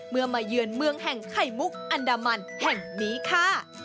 มาเยือนเมืองแห่งไข่มุกอันดามันแห่งนี้ค่ะ